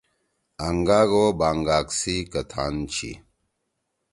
آنگاگ او بانگاگ سی کتھان چھی۔